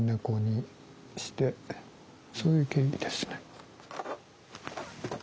そういう経緯ですね。